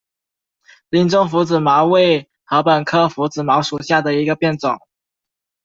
林中拂子茅为禾本科拂子茅属下的一个变种。